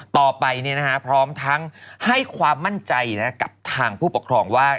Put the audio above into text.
ต่อไปพร้อมทั้งให้ความมั่นใจกับทางผู้ปกครองว่า